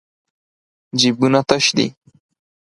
جېبونه تش دي.